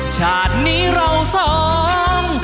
ชาตินี้เราสอง